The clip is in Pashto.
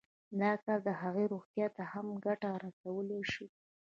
دا کار د هغې روغتيا ته هم ګټه رسولی شي